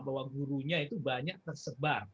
bahwa gurunya itu banyak tersebar